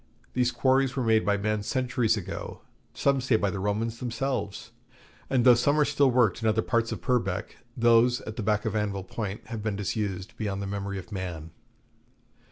These quarries were made by men centuries ago, some say by the Romans themselves; and though some are still worked in other parts of Purbeck, those at the back of Anvil Point have been disused beyond the memory of man.